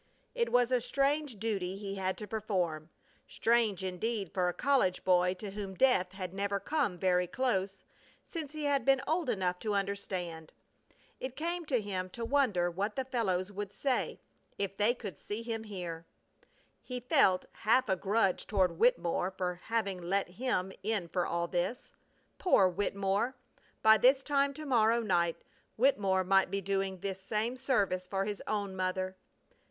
It was a strange duty he had to perform, strange indeed for a college boy to whom death had never come very close since he had been old enough to understand. It came to him to wonder what the fellows would say If they could see him here. He felt half a grudge toward Wittemore for having let him in for all this. Poor Wittemore! By this time to morrow night Wittemore might be doing this same service for his own mother!